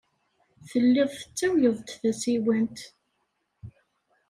Telliḍ tettawyeḍ-d tasiwant.